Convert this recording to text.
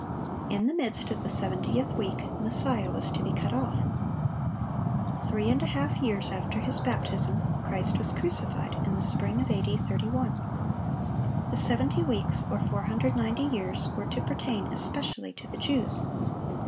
In the midst of the seventieth week, Messiah was to be cut off. Three and a half years after His baptism, Christ was crucified, in the spring of A.D. 31. The seventy weeks, or 490 years, were to pertain especially to the Jews.